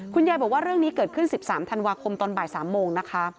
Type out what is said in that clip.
คุณยายบอกว่าเรื่องนี้เกิดขึ้น๑๓ธันวาคมตอนบ่าย๓โมงนะคะ